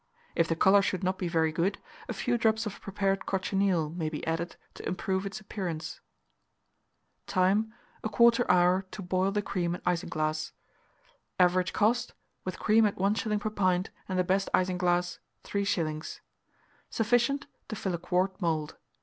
If the colour should not be very good, a few drops of prepared cochineal may be added to improve its appearance. (See coloured plate T1.) Time. 1/4 hour to boil the cream and isinglass. Average cost, with cream at 1s. per pint, and the best isinglass, 3s. Sufficient to fill a quart mould.